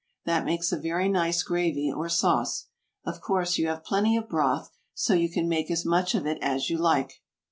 That makes a very nice gravy or sauce. Of course, you have plenty of broth, so you can make as much of it as you like.